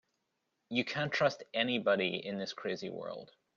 You can't trust anybody in this crazy world.